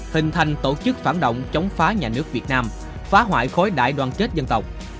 hình thành tổ chức phản động chống phá nhà nước việt nam phá hoại khối đại đoàn kết dân tộc